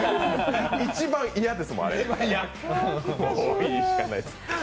一番嫌ですもん、あれ。